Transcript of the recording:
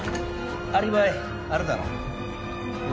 アリバイあるだろお前